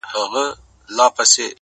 وځان ته بله زنده گي پيدا كړه”